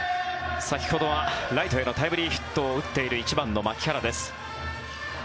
先ほどはライトへのタイムリーヒットを打っている１番の牧原です。